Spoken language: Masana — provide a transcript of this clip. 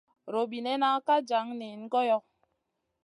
Robinena ka jan niyna goyo.